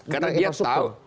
karena dia tahu